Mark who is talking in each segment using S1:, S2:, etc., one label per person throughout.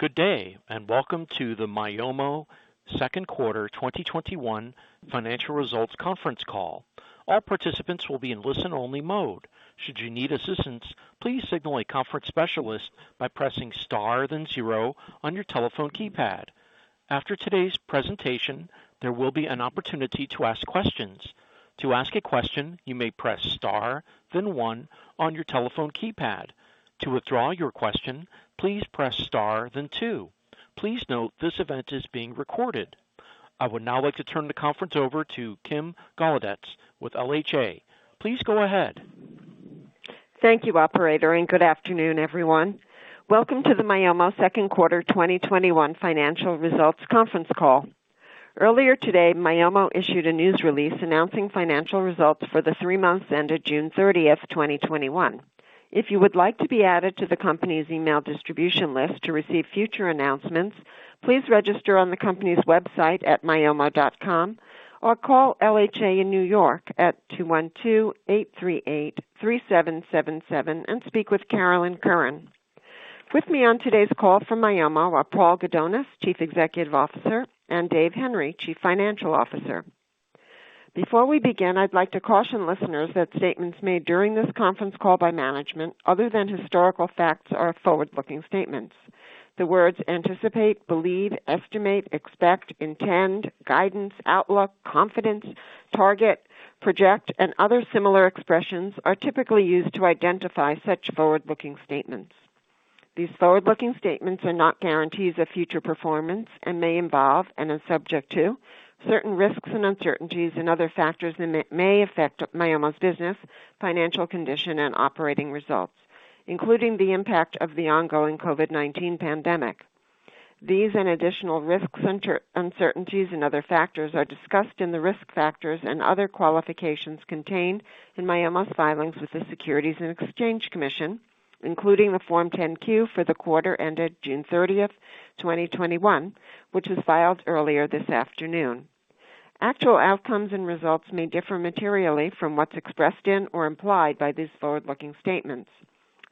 S1: Good day, welcome to the Myomo Q2 2021 financial results conference call. All participants will be in listen-only mode. After today's presentation, there will be an opportunity to ask questions. Please note this event is being recorded. I would now like to turn the conference over to Kim Golodetz with LHA. Please go ahead.
S2: Thank you, operator, and good afternoon, everyone. Welcome to the Myomo Q2 2021 financial results conference call. Earlier today, Myomo issued a news release announcing financial results for the three months ended June 30th, 2021. If you would like to be added to the company's email distribution list to receive future announcements, please register on the company's website at myomo.com, or call LHA in New York at 212-838-3777 and speak with Carolyn Huston-Curran. With me on today's call from Myomo are Paul Gudonis, Chief Executive Officer, and Dave Henry, Chief Financial Officer. Before we begin, I'd like to caution listeners that statements made during this conference call by management, other than historical facts, are forward-looking statements. The words anticipate, believe, estimate, expect, intend, guidance, outlook, confidence, target, project, and other similar expressions are typically used to identify such forward-looking statements. These forward-looking statements are not guarantees of future performance and may involve and are subject to certain risks and uncertainties and other factors that may affect Myomo's business, financial condition, and operating results, including the impact of the ongoing COVID-19 pandemic. These and additional risks, uncertainties, and other factors are discussed in the risk factors and other qualifications contained in Myomo's filings with the Securities and Exchange Commission, including the Form 10-Q for the quarter ended June 30th, 2021, which was filed earlier this afternoon. Actual outcomes and results may differ materially from what's expressed in or implied by these forward-looking statements.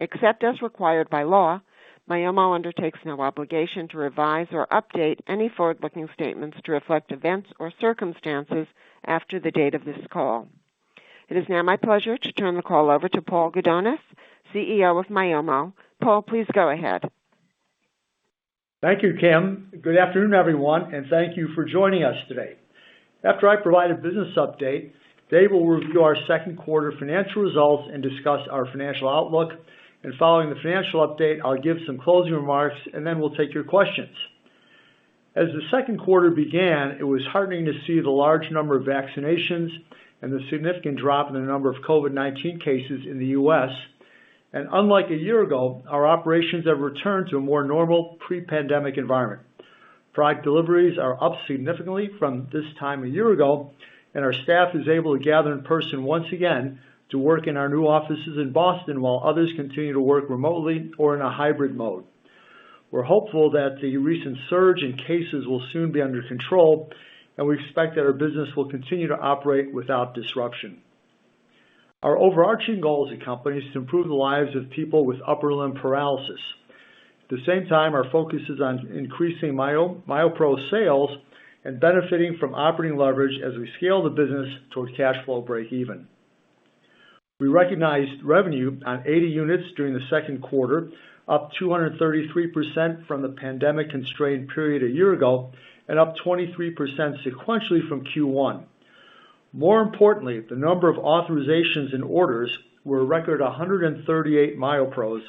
S2: Except as required by law, Myomo undertakes no obligation to revise or update any forward-looking statements to reflect events or circumstances after the date of this call. It is now my pleasure to turn the call over to Paul Gudonis, CEO of Myomo. Paul, please go ahead.
S3: Thank you, Kim. Good afternoon, everyone, and thank you for joining us today. After I provide a business update, Dave will review our Q2 financial results and discuss our financial outlook. Following the financial update, I'll give some closing remarks and then we'll take your questions. As the Q2 began, it was heartening to see the large number of vaccinations and the significant drop in the number of COVID-19 cases in the U.S., and unlike a year ago, our operations have returned to a more normal pre-pandemic environment. Product deliveries are up significantly from this time a year ago, and our staff is able to gather in person once again to work in our new offices in Boston while others continue to work remotely or in a hybrid mode. We're hopeful that the recent surge in cases will soon be under control, and we expect that our business will continue to operate without disruption. Our overarching goal as a company is to improve the lives of people with upper limb paralysis. At the same time, our focus is on increasing MyoPro sales and benefiting from operating leverage as we scale the business towards cash flow breakeven. We recognized revenue on 80 units during the Q2, up 233% from the pandemic-constrained period a year ago and up 23% sequentially from Q1. More importantly, the number of authorizations and orders were a record 138 MyoPros,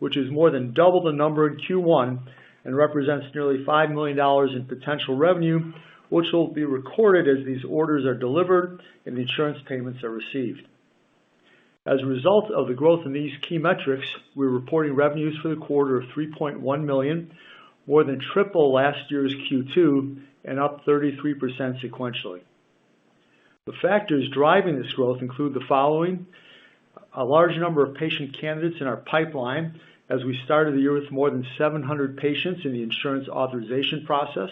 S3: which is more than double the number in Q1 and represents nearly $5 million in potential revenue, which will be recorded as these orders are delivered and the insurance payments are received. As a result of the growth in these key metrics, we're reporting revenues for the quarter of $3.1 million, more than triple last year's Q2 and up 33% sequentially. The factors driving this growth include the following. A large number of patient candidates in our pipeline as we started the year with more than 700 patients in the insurance authorization process.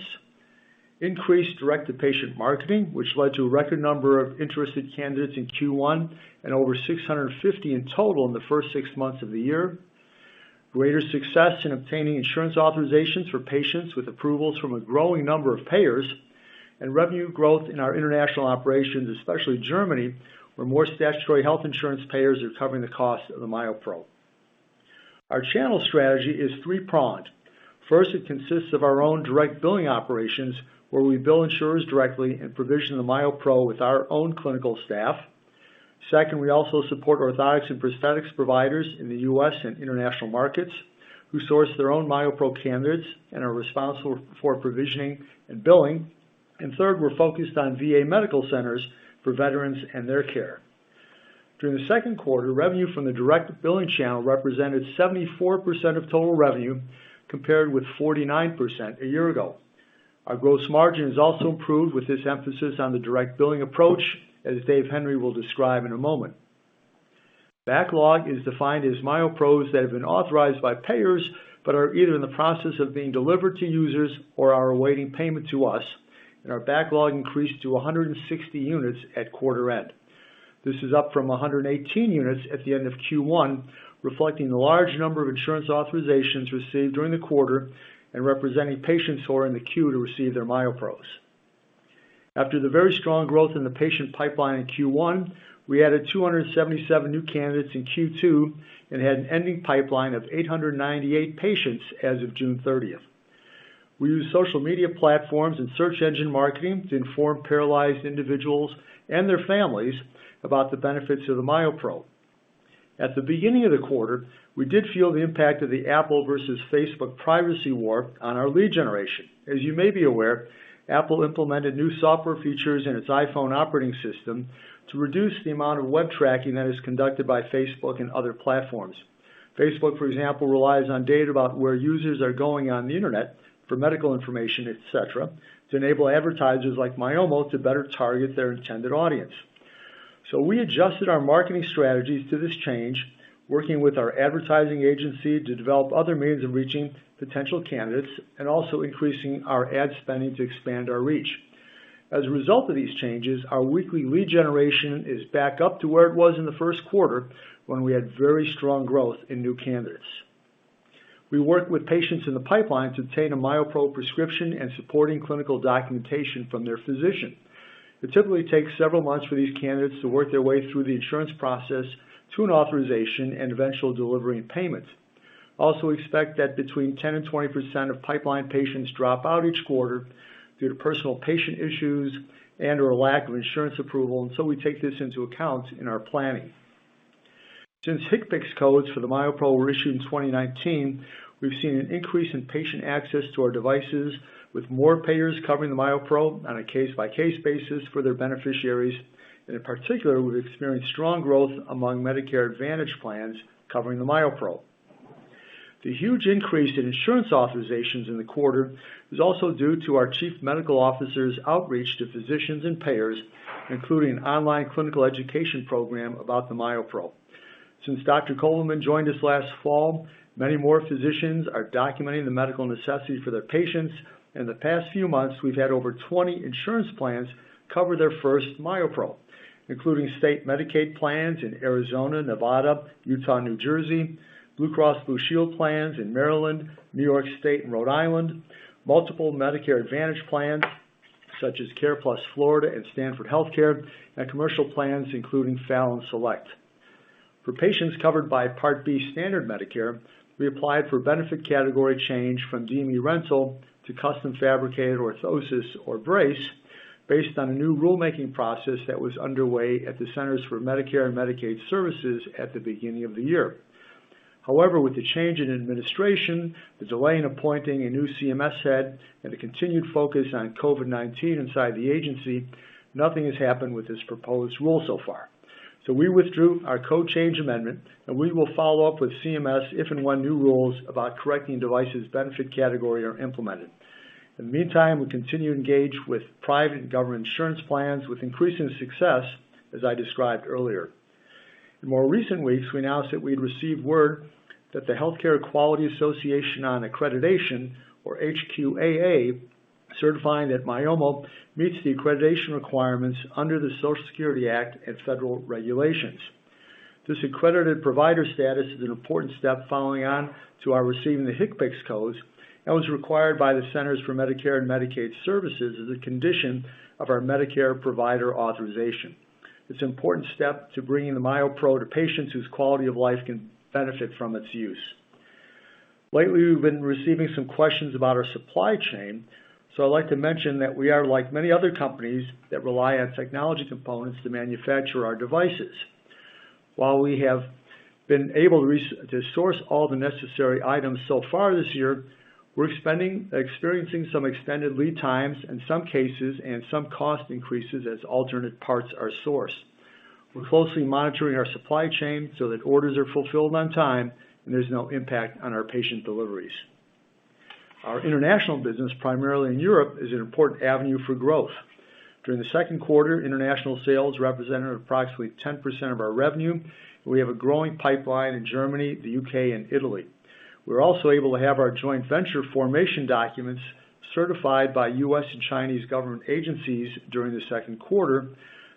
S3: Increased direct-to-patient marketing, which led to a record number of interested candidates in Q1 and over 650 in total in the first six months of the year. Greater success in obtaining insurance authorizations for patients with approvals from a growing number of payers. Revenue growth in our international operations, especially Germany, where more statutory health insurance payers are covering the cost of the MyoPro. Our channel strategy is three-pronged. First, it consists of our own direct billing operations, where we bill insurers directly and provision the MyoPro with our own clinical staff. Second, we also support orthotics and prosthetics providers in the U.S. and international markets who source their own MyoPro candidates and are responsible for provisioning and billing. Third, we're focused on VA medical centers for veterans and their care. During the Q2, revenue from the direct billing channel represented 74% of total revenue, compared with 49% a year ago. Our gross margin has also improved with this emphasis on the direct billing approach, as Dave Henry will describe in a moment. Backlog is defined as MyoPros that have been authorized by payers but are either in the process of being delivered to users or are awaiting payment to us. Our backlog increased to 160 units at quarter end. This is up from 118 units at the end of Q1, reflecting the large number of insurance authorizations received during the quarter and representing patients who are in the queue to receive their MyoPros. After the very strong growth in the patient pipeline in Q1, we added 277 new candidates in Q2 and had an ending pipeline of 898 patients as of June 30th. We use social media platforms and search engine marketing to inform paralyzed individuals and their families about the benefits of the MyoPro. At the beginning of the quarter, we did feel the impact of the Apple versus Facebook privacy war on our lead generation. As you may be aware, Apple implemented new software features in its iPhone operating system to reduce the amount of web tracking that is conducted by Facebook and other platforms. Facebook, for example, relies on data about where users are going on the internet for medical information, et cetera, to enable advertisers like Myomo to better target their intended audience. We adjusted our marketing strategies to this change, working with our advertising agency to develop other means of reaching potential candidates, and also increasing our ad spending to expand our reach. As a result of these changes, our weekly lead generation is back up to where it was in the Q1 when we had very strong growth in new candidates. We work with patients in the pipeline to obtain a MyoPro prescription and supporting clinical documentation from their physician. It typically takes several months for these candidates to work their way through the insurance process to an authorization and eventual delivery and payment. We expect that between 10% and 20% of pipeline patients drop out each quarter due to personal patient issues and/or lack of insurance approval. We take this into account in our planning. Since HCPCS codes for the MyoPro were issued in 2019, we've seen an increase in patient access to our devices, with more payers covering the MyoPro on a case-by-case basis for their beneficiaries. In particular, we've experienced strong growth among Medicare Advantage plans covering the MyoPro. The huge increase in insurance authorizations in the quarter is also due to our Chief Medical Officer's outreach to physicians and payers, including an online clinical education program about the MyoPro. Since Dr. Coleman joined us last fall, many more physicians are documenting the medical necessity for their patients. In the past few months, we've had over 20 insurance plans cover their first MyoPro, including state Medicaid plans in Arizona, Nevada, Utah, and New Jersey, Blue Cross Blue Shield plans in Maryland, New York State, and Rhode Island, multiple Medicare Advantage plans such as CarePlus Florida and Stanford Health Care, and commercial plans including Fallon Select. For patients covered by Part B standard Medicare, we applied for a benefit category change from DME rental to custom fabricated orthosis or brace based on a new rulemaking process that was underway at the Centers for Medicare and Medicaid Services at the beginning of the year. With the change in administration, the delay in appointing a new CMS head, and the continued focus on COVID-19 inside the agency, nothing has happened with this proposed rule so far. We withdrew our code change amendment, and we will follow up with CMS if and when new rules about correcting devices' benefit category are implemented. In the meantime, we continue to engage with private and government insurance plans with increasing success, as I described earlier. In more recent weeks, we announced that we'd received word that the Healthcare Quality Association on Accreditation, or HQAA, certifying that Myomo meets the accreditation requirements under the Social Security Act and federal regulations. This accredited provider status is an important step following on to our receiving the HCPCS codes and was required by the Centers for Medicare and Medicaid Services as a condition of our Medicare provider authorization. It's an important step to bringing the MyoPro to patients whose quality of life can benefit from its use. I'd like to mention that we are like many other companies that rely on technology components to manufacture our devices. While we have been able to source all the necessary items so far this year, we're experiencing some extended lead times in some cases and some cost increases as alternate parts are sourced. We're closely monitoring our supply chain so that orders are fulfilled on time and there's no impact on our patient deliveries. Our international business, primarily in Europe, is an important avenue for growth. During the Q2, international sales represented approximately 10% of our revenue. We have a growing pipeline in Germany, the U.K., and Italy. We were also able to have our joint venture formation documents certified by U.S. and Chinese government agencies during the Q2,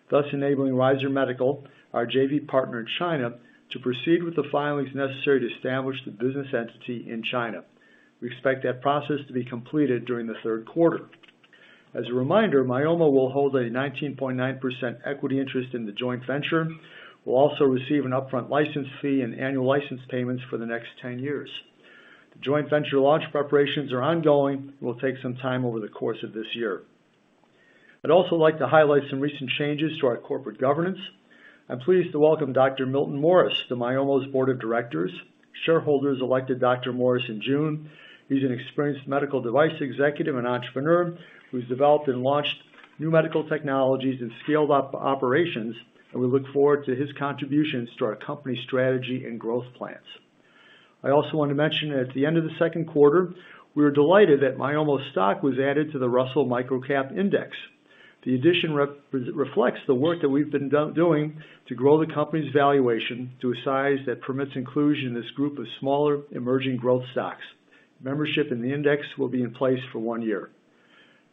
S3: thus enabling Ryzur Medical, our JV partner in China, to proceed with the filings necessary to establish the business entity in China. We expect that process to be completed during the Q3. As a reminder, Myomo will hold a 19.9% equity interest in the joint venture. We'll also receive an upfront license fee and annual license payments for the next 10 years. The joint venture launch preparations are ongoing and will take some time over the course of this year. I'd also like to highlight some recent changes to our corporate governance. I'm pleased to welcome Dr. Milton Morris to Myomo's board of directors. Shareholders elected Dr. Morris in June. He's an experienced medical device executive and entrepreneur who's developed and launched new medical technologies and scaled up operations, and we look forward to his contributions to our company strategy and growth plans. I also want to mention that at the end of the Q2, we were delighted that Myomo stock was added to the Russell Microcap Index. The addition reflects the work that we've been doing to grow the company's valuation to a size that permits inclusion in this group of smaller emerging growth stocks. Membership in the index will be in place for one year.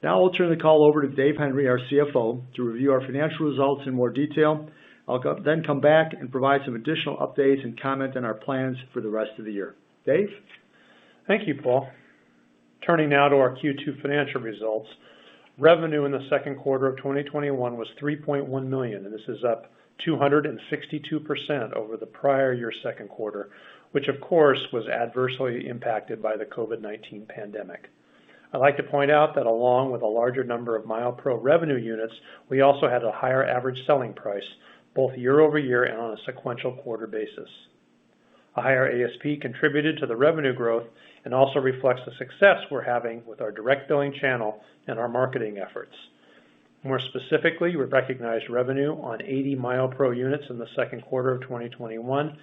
S3: I'll turn the call over to Dave Henry, our CFO, to review our financial results in more detail. I'll then come back and provide some additional updates and comment on our plans for the rest of the year. Dave?
S4: Thank you, Paul. Turning now to our Q2 financial results. Revenue in the Q2 of 2021 was $3.1 million, and this is up 262% over the prior year Q2, which of course was adversely impacted by the COVID-19 pandemic. I'd like to point out that along with a larger number of MyoPro revenue units, we also had a higher average selling price, both year over year and on a sequential quarter basis. A higher ASP contributed to the revenue growth and also reflects the success we're having with our direct billing channel and our marketing efforts. More specifically, we recognized revenue on 80 MyoPro units in the Q2 of 2021,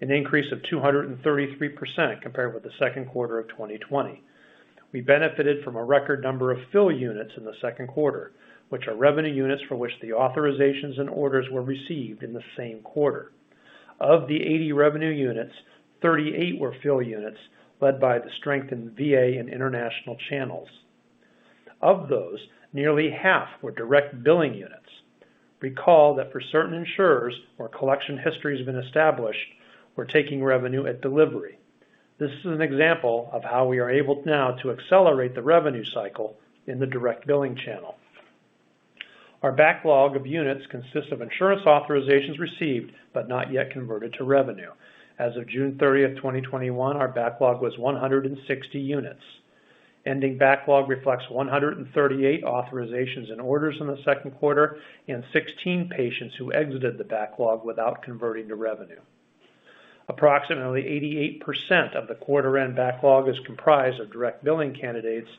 S4: an increase of 233% compared with the Q2 of 2020. We benefited from a record number of fill units in the Q2, which are revenue units for which the authorizations and orders were received in the same quarter. Of the 80 revenue units, 38 were fill units led by the strength in VA and international channels. Of those, nearly half were direct billing units. Recall that for certain insurers where collection history has been established, we're taking revenue at delivery. This is an example of how we are able now to accelerate the revenue cycle in the direct billing channel. Our backlog of units consists of insurance authorizations received but not yet converted to revenue. As of June 30th, 2021, our backlog was 160 units. Ending backlog reflects 138 authorizations and orders in the Q2 and 16 patients who exited the backlog without converting to revenue. Approximately 88% of the quarter-end backlog is comprised of direct billing candidates,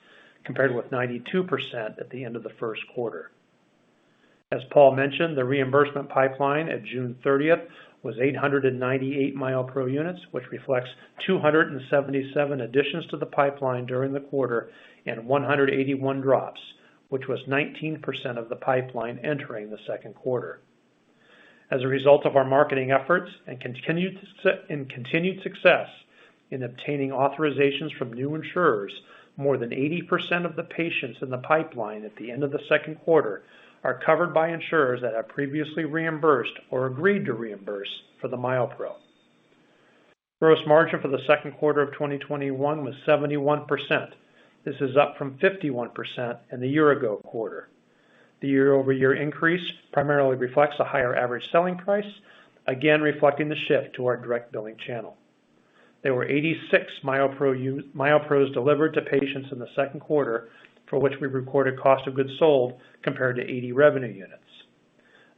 S4: compared with 92% at the end of the Q1. As Paul mentioned, the reimbursement pipeline at June 30th was 898 MyoPro units, which reflects 277 additions to the pipeline during the quarter and 181 drops, which was 19% of the pipeline entering the Q2. As a result of our marketing efforts and continued success in obtaining authorizations from new insurers, more than 80% of the patients in the pipeline at the end of the Q2 are covered by insurers that have previously reimbursed or agreed to reimburse for the MyoPro. Gross margin for the Q2 of 2021 was 71%. This is up from 51% in the year ago quarter. The year-over-year increase primarily reflects a higher average selling price, again reflecting the shift to our direct billing channel. There were 86 MyoPro delivered to patients in the Q2 for which we recorded cost of goods sold compared to 80 revenue units.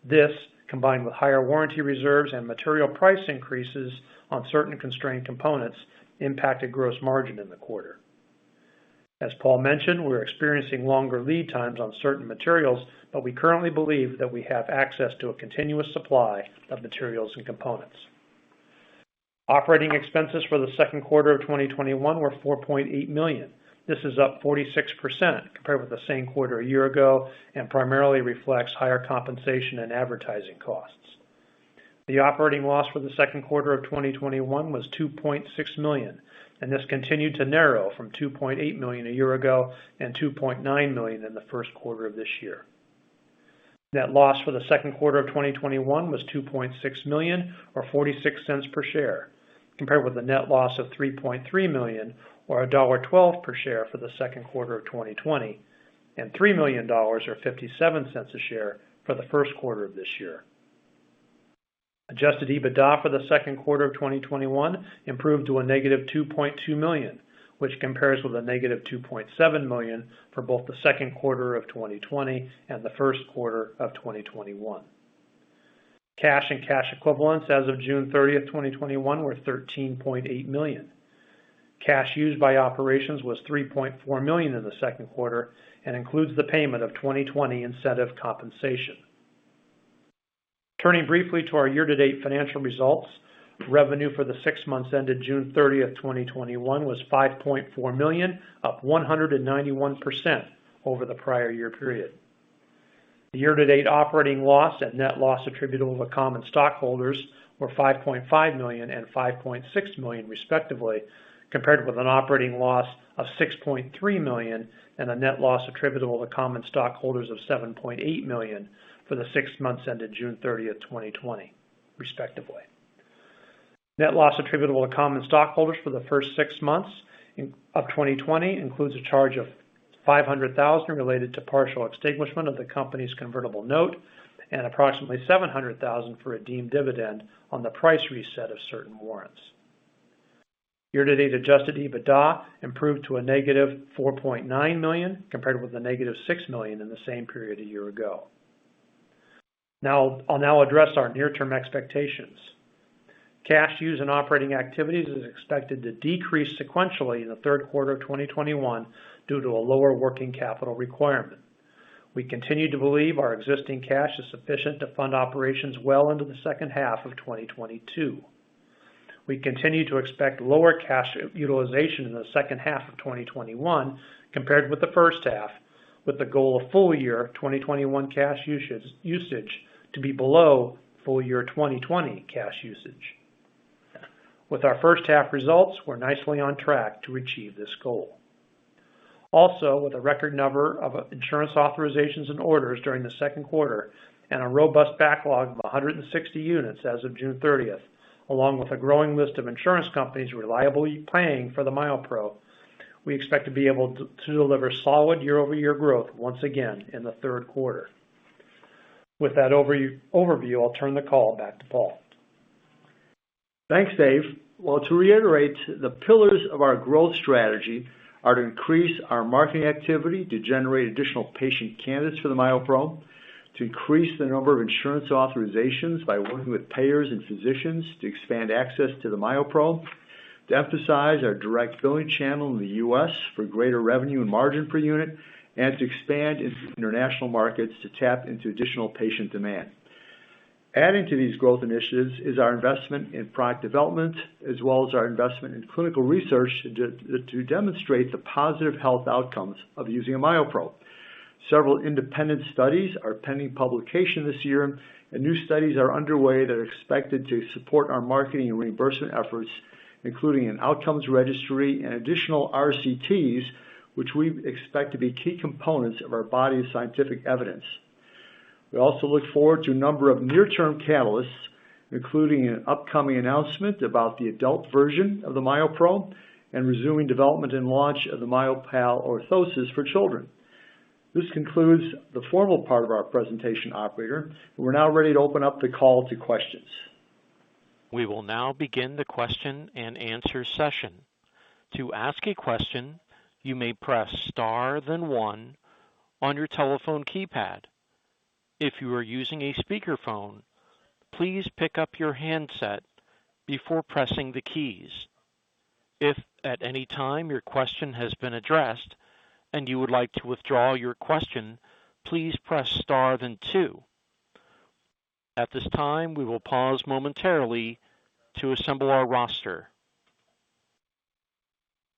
S4: This, combined with higher warranty reserves and material price increases on certain constrained components, impacted gross margin in the quarter. As Paul mentioned, we're experiencing longer lead times on certain materials, but we currently believe that we have access to a continuous supply of materials and components. Operating expenses for the Q2 of 2021 were $4.8 million. This is up 46% compared with the same quarter a year ago and primarily reflects higher compensation and advertising costs. The operating loss for the Q2 of 2021 was $2.6 million, and this continued to narrow from $2.8 million a year ago and $2.9 million in the Q1 of this year. Net loss for the Q2 of 2021 was $2.6 million or $0.46 per share, compared with a net loss of $3.3 million or $1.12 per share for the Q2 of 2020 and $3 million or $0.57 a share for the Q1 of this year. Adjusted EBITDA for the Q2 of 2021 improved to a negative $2.2 million, which compares with a negative $2.7 million for both the Q2 of 2020 and the Q1 of 2021. Cash and cash equivalents as of June 30th, 2021 were $13.8 million. Cash used by operations was $3.4 million in the Q2 and includes the payment of 2020 incentive compensation. Turning briefly to our year-to-date financial results. Revenue for the six months ended June 30th, 2021 was $5.4 million, up 191% over the prior year period. The year-to-date operating loss and net loss attributable to common stockholders were $5.5 million and $5.6 million respectively, compared with an operating loss of $6.3 million and a net loss attributable to common stockholders of $7.8 million for the six months ended June 30th, 2020, respectively. Net loss attributable to common stockholders for the first six months of 2020 includes a charge of $500,000 related to partial extinguishment of the company's convertible note and approximately $700,000 for a deemed dividend on the price reset of certain warrants. Year-to-date adjusted EBITDA improved to a negative $4.9 million, compared with a negative $6 million in the same period a year ago. I'll now address our near-term expectations. Cash use in operating activities is expected to decrease sequentially in the Q3 of 2021 due to a lower working capital requirement. We continue to believe our existing cash is sufficient to fund operations well into the H2 of 2022. We continue to expect lower cash utilization in the H2 of 2021 compared with the H1, with the goal of full year 2021 cash usage to be below full year 2020 cash usage. With our H1 results, we're nicely on track to achieve this goal. With a record number of insurance authorizations and orders during the Q2 and a robust backlog of 160 units as of June 30th, along with a growing list of insurance companies reliably paying for the MyoPro, we expect to be able to deliver solid year-over-year growth once again in the Q3. With that overview, I'll turn the call back to Paul.
S3: Thanks, Dave. Well, to reiterate, the pillars of our growth strategy are to increase our marketing activity to generate additional patient candidates for the MyoPro, to increase the number of insurance authorizations by working with payers and physicians to expand access to the MyoPro, to emphasize our direct billing channel in the U.S. for greater revenue and margin per unit, and to expand into international markets to tap into additional patient demand. Adding to these growth initiatives is our investment in product development, as well as our investment in clinical research to demonstrate the positive health outcomes of using a MyoPro. Several independent studies are pending publication this year, and new studies are underway that are expected to support our marketing and reimbursement efforts, including an outcomes registry and additional RCTs, which we expect to be key components of our body of scientific evidence. We also look forward to a number of near-term catalysts, including an upcoming announcement about the adult version of the MyoPro and resuming development and launch of the MyoPal orthosis for children. This concludes the formal part of our presentation, operator. We're now ready to open up the call to questions.
S1: We will now begin the question and answer session. To ask a question, you may press star then one on your telephone keypad. If you are using a speakerphone, please pick up your handset before pressing the keys. If at any time your question has been addressed and you would like to withdraw your question, please press star then two. At this time, we will pause momentarily to assemble our roster.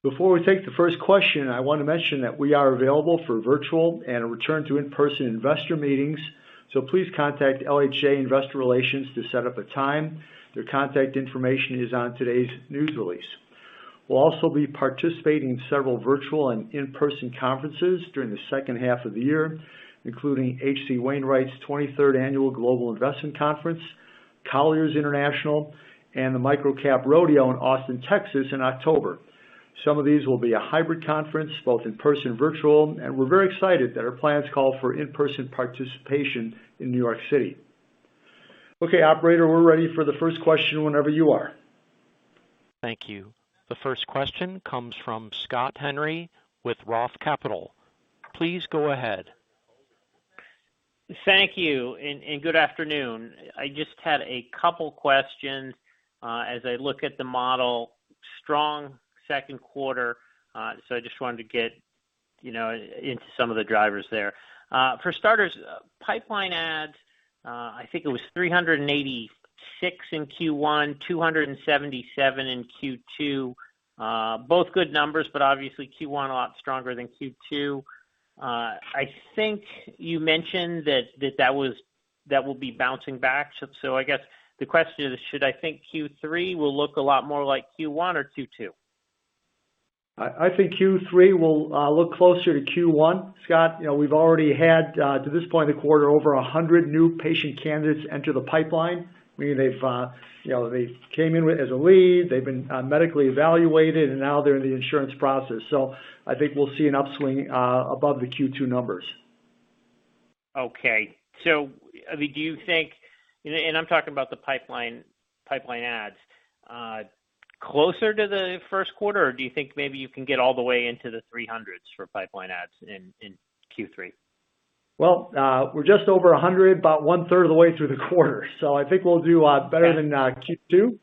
S3: Before we take the first question, I want to mention that we are available for virtual and a return to in-person investor meetings, so please contact LHA Investor Relations to set up a time. Their contact information is on today's news release. We'll also be participating in several virtual and in-person conferences during the H2 of the year, including H.C. Wainwright's 23rd Annual Global Investment Conference, Colliers International, and the MicroCap Rodeo in Austin, Texas in October. Some of these will be a hybrid conference, both in person and virtual, and we're very excited that our plans call for in-person participation in New York City. Okay, operator, we're ready for the first question whenever you are.
S1: Thank you. The first question comes from Scott Henry with Roth Capital. Please go ahead.
S5: Thank you, and good afternoon. I just had a couple questions as I look at the model. Strong Q2, so I just wanted to get into some of the drivers there. For starters, pipeline adds, I think it was 386 in Q1, 277 in Q2. Both good numbers, but obviously Q1 a lot stronger than Q2. I think you mentioned that that will be bouncing back. I guess the question is, should I think Q3 will look a lot more like Q1 or Q2?
S3: I think Q3 will look closer to Q1, Scott. We've already had, to this point in the quarter, over 100 new patient candidates enter the pipeline, meaning they came in as a lead, they've been medically evaluated, and now they're in the insurance process. I think we'll see an upswing above the Q2 numbers.
S5: Okay. Do you think, and I'm talking about the pipeline adds, closer to the Q1, or do you think maybe you can get all the way into the 300s for pipeline adds in Q3?
S3: Well, we're just over 100, about one third of the way through the quarter. I think we'll do better than Q2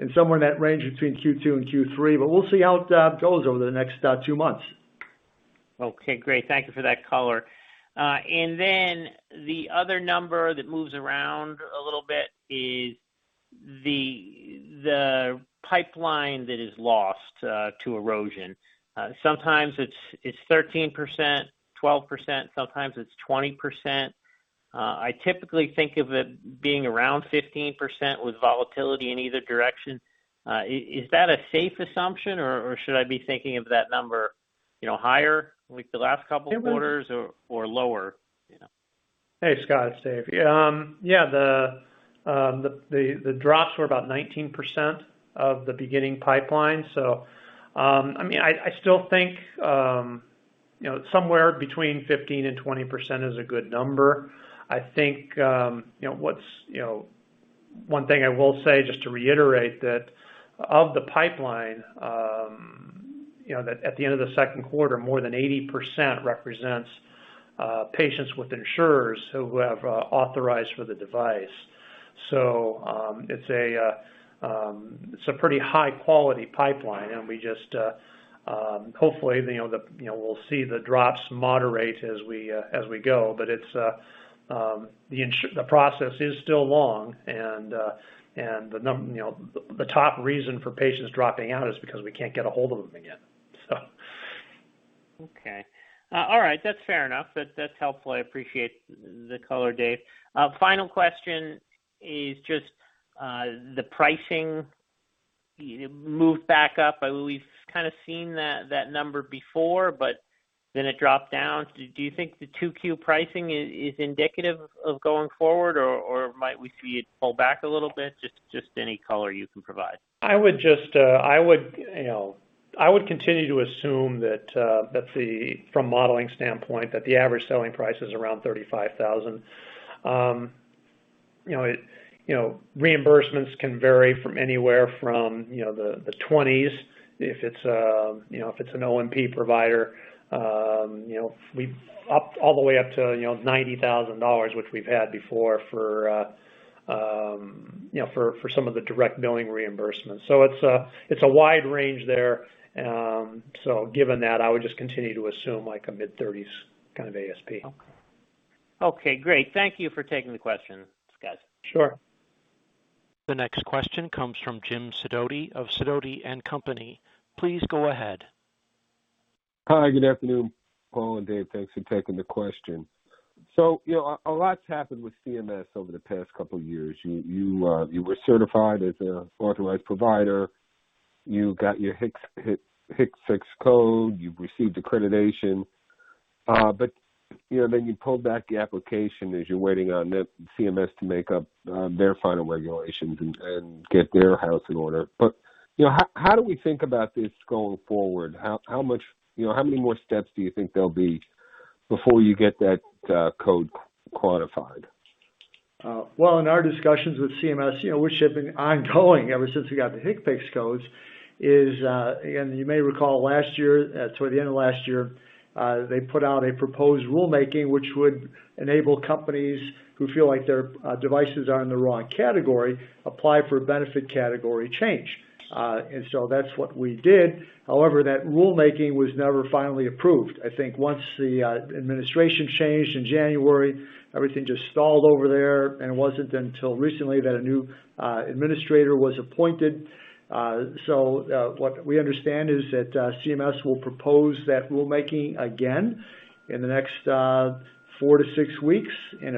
S3: and somewhere in that range between Q2 and Q3. We'll see how it goes over the next two months.
S5: Okay, great. Thank you for that color. Then the other number that moves around a little bit is the pipeline that is lost to erosion. Sometimes it's 13%, 12%, sometimes it's 20%. I typically think of it being around 15% with volatility in either direction. Is that a safe assumption, or should I be thinking of that number higher, like the last couple quarters, or lower?
S4: Hey, Scott, it's Dave. Yeah. The drops were about 19% of the beginning pipeline. I still think somewhere between 15% and 20% is a good number. One thing I will say, just to reiterate, that of the pipeline, that at the end of the Q2, more than 80% represents patients with insurers who have authorized for the device. It's a pretty high quality pipeline, and we just hopefully we'll see the drops moderate as we go. The process is still long and the top reason for patients dropping out is because we can't get a hold of them again.
S5: Okay. All right. That's fair enough. That's helpful. I appreciate the color, Dave. Final question is just the pricing moved back up. We've kind of seen that number before, but then it dropped down. Do you think the 2Q pricing is indicative of going forward, or might we see it pull back a little bit? Just any color you can provide.
S3: I would continue to assume that from a modeling standpoint, that the average selling price is around $35,000. Reimbursements can vary from anywhere from the $20,000s if it's an O&P provider, all the way up to $90,000, which we've had before for some of the direct billing reimbursements. It's a wide range there. Given that, I would just continue to assume like a mid-$30,000s kind of ASP.
S5: Okay, great. Thank you for taking the question, guys.
S3: Sure.
S1: The next question comes from Jim Sidoti of Sidoti and Company. Please go ahead.
S6: Hi, good afternoon, Paul and Dave. Thanks for taking the question. A lot's happened with CMS over the past couple of years. You were certified as an authorized provider. You got your HCPCS code. You've received accreditation. You pulled back the application as you're waiting on CMS to make up their final regulations and get their house in order. How do we think about this going forward? How many more steps do you think there'll be before you get that code quantified?
S3: In our discussions with CMS, which have been ongoing ever since we got the HCPCS codes, you may recall last year, toward the end of last year, they put out a proposed rulemaking, which would enable companies who feel like their devices are in the wrong category, apply for a benefit category change. That's what we did. However, that rulemaking was never finally approved. I think once the administration changed in January, everything just stalled over there, and it wasn't until recently that a new administrator was appointed. What we understand is that CMS will propose that rulemaking again in the next 4-6 weeks, and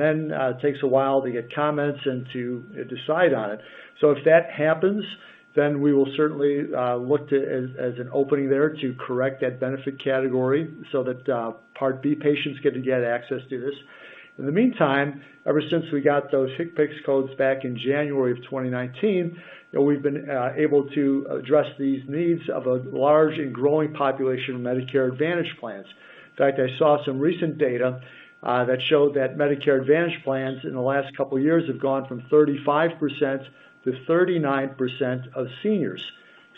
S3: then it takes a while to get comments and to decide on it. If that happens, then we will certainly look to it as an opening there to correct that benefit category so that Part B patients get to get access to this. In the meantime, ever since we got those HCPCS codes back in January 2019, we've been able to address these needs of a large and growing population of Medicare Advantage plans. In fact, I saw some recent data that showed that Medicare Advantage plans in the last couple of years have gone from 35%-39% of seniors.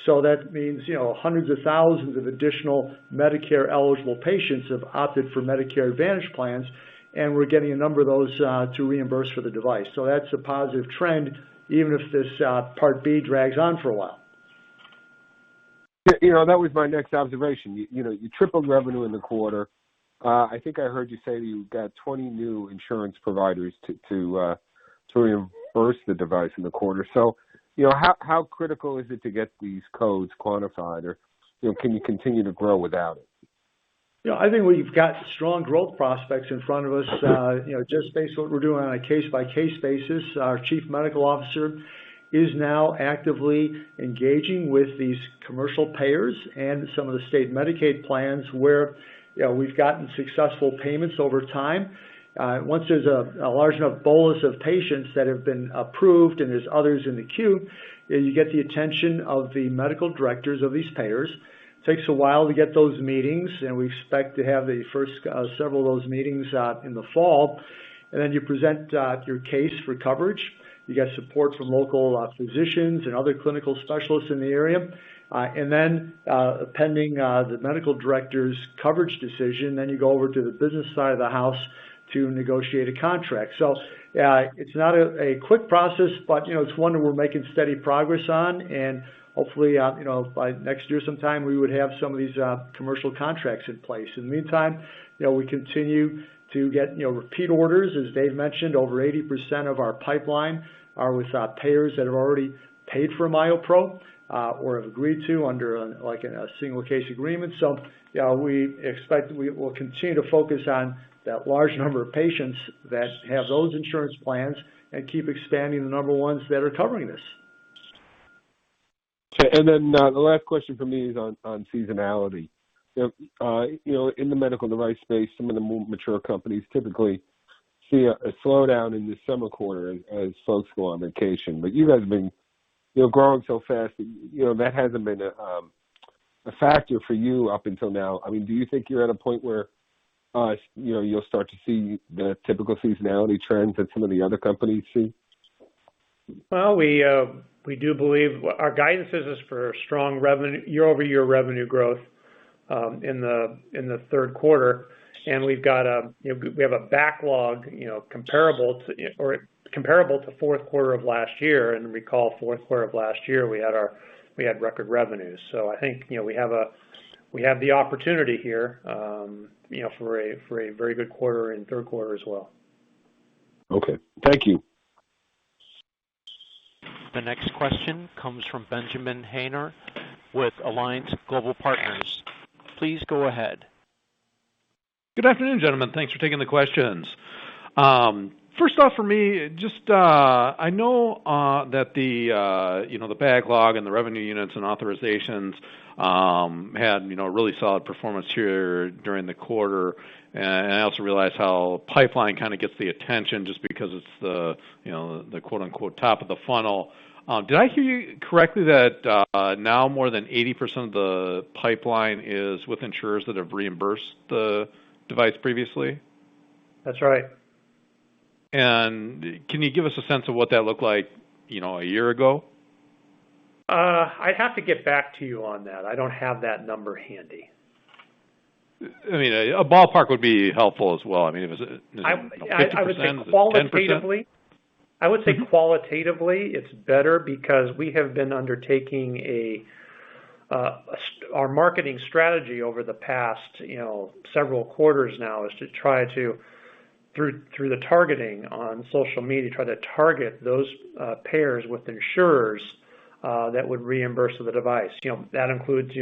S3: That means hundreds of thousands of additional Medicare-eligible patients have opted for Medicare Advantage plans, and we're getting a number of those to reimburse for the device. That's a positive trend, even if this Part B drags on for a while.
S6: That was my next observation. You tripled revenue in the quarter. I think I heard you say you got 20 new insurance providers to reimburse the device in the quarter. How critical is it to get these codes quantified, or can you continue to grow without it?
S3: I think we've got strong growth prospects in front of us. Just based on what we're doing on a case-by-case basis, our Chief Medical Officer is now actively engaging with these commercial payers and some of the state Medicaid plans where we've gotten successful payments over time. Once there's a large enough bolus of patients that have been approved and there's others in the queue, you get the attention of the medical directors of these payers. It takes a while to get those meetings. We expect to have the first several of those meetings in the fall. You present your case for coverage. You get support from local physicians and other clinical specialists in the area. Pending the medical director's coverage decision, then you go over to the business side of the house to negotiate a contract. It's not a quick process, but it's one that we're making steady progress on, and hopefully, by next year sometime, we would have some of these commercial contracts in place. In the meantime, we continue to get repeat orders. As Dave mentioned, over 80% of our pipeline are with payers that have already paid for MyoPro or have agreed to under a single case agreement. We expect we will continue to focus on that large number of patients that have those insurance plans and keep expanding the number of ones that are covering this.
S6: Okay. The last question from me is on seasonality. In the medical device space, some of the more mature companies typically see a slowdown in the summer quarter as folks go on vacation. You guys have been growing so fast that that hasn't been a factor for you up until now. Do you think you're at a point where you'll start to see the typical seasonality trends that some of the other companies see?
S3: Well, we do believe our guidance is for strong year-over-year revenue growth in the Q3, and we have a backlog comparable to Q4 of last year. Recall Q4 of last year, we had record revenues. I think we have the opportunity here for a very good quarter in Q3 as well.
S6: Okay. Thank you.
S1: The next question comes from Benjamin Haynor with Alliance Global Partners. Please go ahead.
S7: Good afternoon, gentlemen. Thanks for taking the questions. First off for me, I know that the backlog and the revenue units and authorizations had really solid performance here during the quarter. I also realize how pipeline kind of gets the attention just because it's the quote unquote, "top of the funnel." Did I hear you correctly that now more than 80% of the pipeline is with insurers that have reimbursed the device previously?
S4: That's right.
S7: Can you give us a sense of what that looked like a year ago?
S4: I'd have to get back to you on that. I don't have that number handy.
S7: A ballpark would be helpful as well. Is it 50%, is it 10%?
S4: I would say qualitatively, it's better because our marketing strategy over the past several quarters now is to try to, through the targeting on social media, try to target those payers with insurers that would reimburse the device. That includes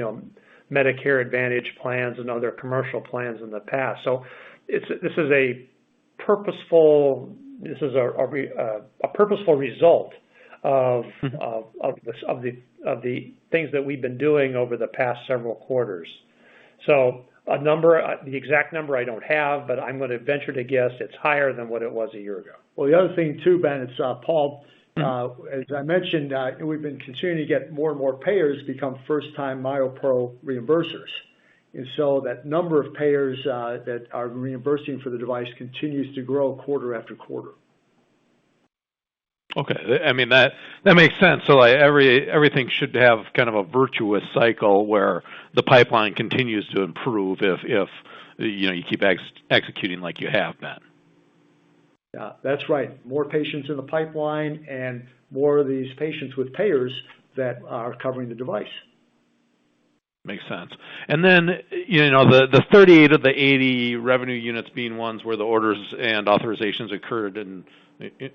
S4: Medicare Advantage plans and other commercial plans in the past. This is a purposeful result of the things that we've been doing over the past several quarters. The exact number I don't have, but I'm going to venture to guess it's higher than what it was a year ago.
S3: Well, the other thing too, Ben, it's Paul. As I mentioned, we've been continuing to get more and more payers become first-time MyoPro reimbursers. That number of payers that are reimbursing for the device continues to grow quarter after quarter.
S7: Okay. That makes sense. Everything should have kind of a virtuous cycle where the pipeline continues to improve if you keep executing like you have been.
S3: Yeah, that's right. More patients in the pipeline and more of these patients with payers that are covering the device.
S7: Makes sense. The 38 of the 80 revenue units being ones where the orders and authorizations occurred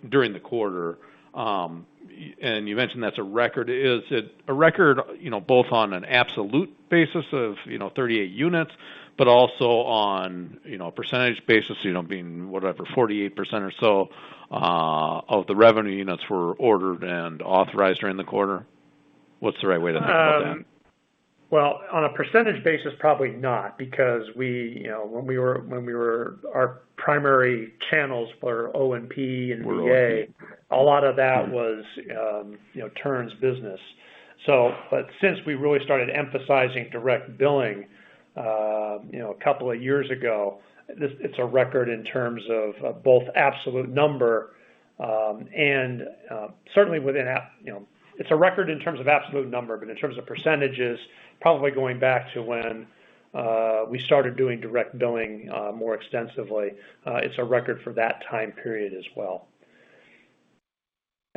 S7: during the quarter. You mentioned that's a record. Is it a record both on an absolute basis of 38 units, but also on a percentage basis, being whatever, 48% or so of the revenue units were ordered and authorized during the quarter? What's the right way to think about that?
S4: Well, on a percentage basis, probably not. Our primary channels were O&P and VA. A lot of that was turns business. Since we really started emphasizing direct billing a couple of years ago, it's a record in terms of absolute number. In terms of percentages, probably going back to when we started doing direct billing more extensively, it's a record for that time period as well.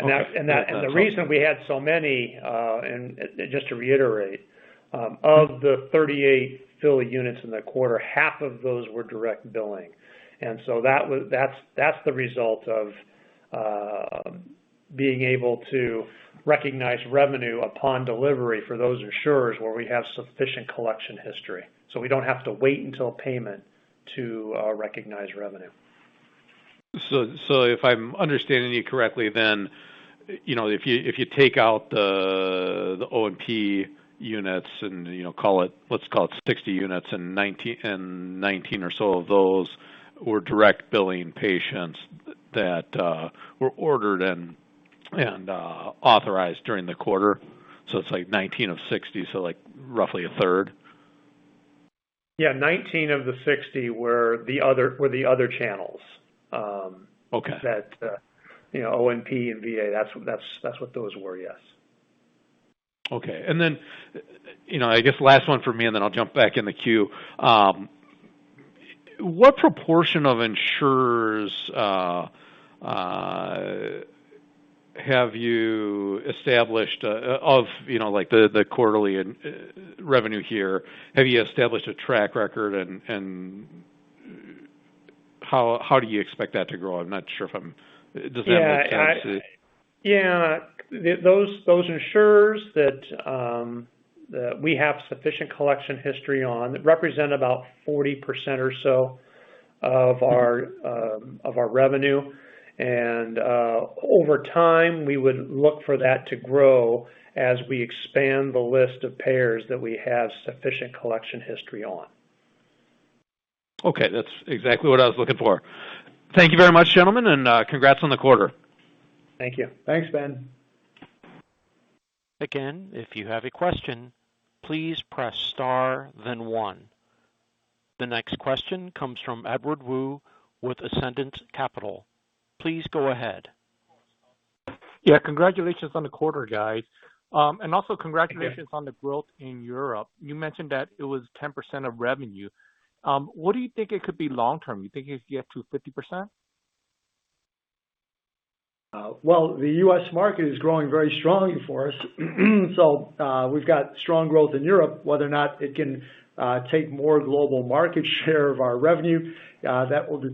S7: Okay.
S4: The reason we had so many, and just to reiterate, of the 38 bill units in the quarter, half of those were direct billing. That's the result of being able to recognize revenue upon delivery for those insurers where we have sufficient collection history. We don't have to wait until payment to recognize revenue.
S7: If I'm understanding you correctly, then, if you take out the O&P units and let's call it 60 units, and 19 or so of those were direct billing patients that were ordered and authorized during the quarter. It's like 19 of 60, so roughly a third?
S4: Yeah. 19 of the 60 were the other channels.
S7: Okay.
S4: O&P and VA. That's what those were, yes.
S7: Okay. I guess last one for me, and then I'll jump back in the queue. What proportion of insurers have you established of the quarterly revenue here? Have you established a track record, and how do you expect that to grow? Does that make sense?
S4: Yeah. Those insurers that we have sufficient collection history on represent about 40% or so of our revenue. Over time, we would look for that to grow as we expand the list of payers that we have sufficient collection history on.
S7: Okay. That's exactly what I was looking for. Thank you very much, gentlemen, and congrats on the quarter.
S4: Thank you.
S3: Thanks, Ben.
S1: Again, if you have a question, please press star then 1. The next question comes from Edward Woo with Ascendiant Capital. Please go ahead.
S8: Yeah. Congratulations on the quarter, guys. Also congratulations on the growth in Europe. You mentioned that it was 10% of revenue. What do you think it could be long term? You think it could get to 50%?
S3: Well, the U.S. market is growing very strongly for us. We've got strong growth in Europe. Whether or not it can take more global market share of our revenue, that will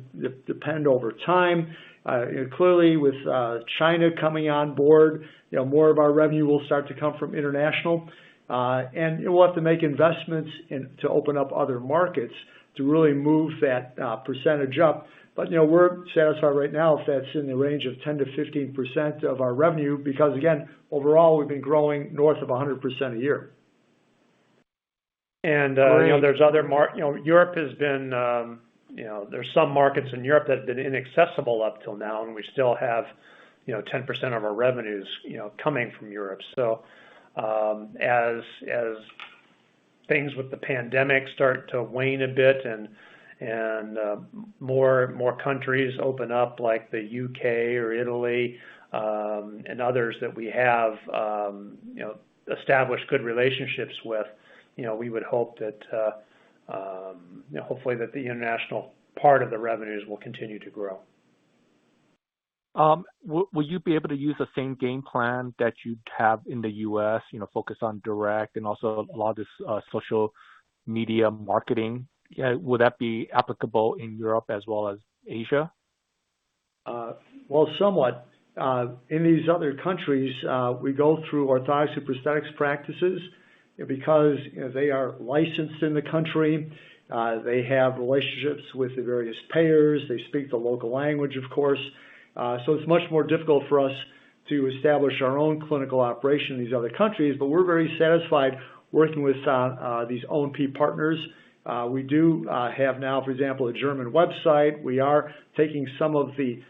S3: depend over time. Clearly, with China coming on board, more of our revenue will start to come from international. We'll have to make investments to open up other markets to really move that percentage up. We're satisfied right now if that's in the range of 10%-15% of our revenue, because again, overall, we've been growing north of 100% a year.
S4: There are other markets. There are some markets in Europe that have been inaccessible up till now. We still have 10% of our revenues coming from Europe. As things with the pandemic start to wane a bit and more countries open up, like the U.K. or Italy, and others that we have established good relationships with, we would hope that hopefully the international part of the revenues will continue to grow.
S8: Will you be able to use the same game plan that you have in the U.S., focus on direct and also a lot of social media marketing? Would that be applicable in Europe as well as Asia?
S3: Well, somewhat. In these other countries, we go through orthotics prosthetics practices because they are licensed in the country. They have relationships with the various payers. They speak the local language, of course. It's much more difficult for us to establish our own clinical operation in these other countries, but we're very satisfied working with these O&P partners. We do have now, for example, a German website. We are taking some of the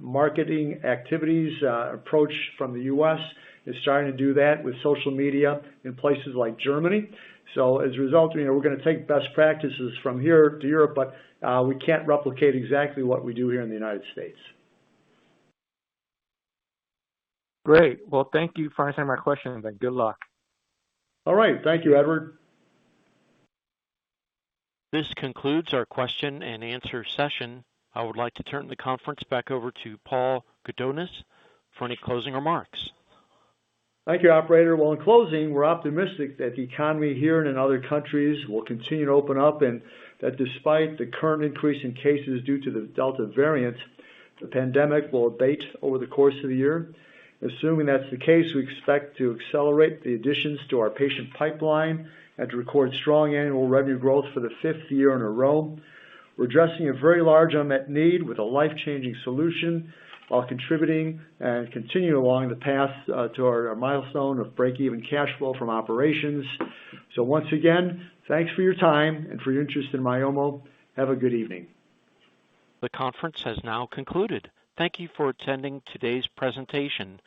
S3: marketing activities approach from the U.S., starting to do that with social media in places like Germany. As a result, we're going to take best practices from here to Europe, but we can't replicate exactly what we do here in the United States.
S8: Great. Well, thank you for answering my question, and good luck.
S3: All right. Thank you, Edward.
S1: This concludes our question and answer session. I would like to turn the conference back over to Paul Gudonis for any closing remarks.
S3: Thank you, operator. Well, in closing, we're optimistic that the economy here and in other countries will continue to open up, and that despite the current increase in cases due to the Delta variant, the pandemic will abate over the course of the year. Assuming that's the case, we expect to accelerate the additions to our patient pipeline and to record strong annual revenue growth for the fifth year in a row. We're addressing a very large unmet need with a life-changing solution while contributing and continuing along the path to our milestone of break-even cash flow from operations. Once again, thanks for your time and for your interest in Myomo. Have a good evening.
S1: The conference has now concluded. Thank you for attending today's presentation.